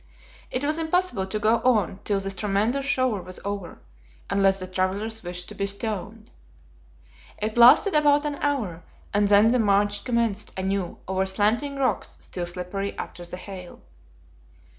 It was impossible to go on till this tremendous shower was over, unless the travelers wished to be stoned. It lasted about an hour, and then the march commenced anew over slanting rocks still slippery after the hail.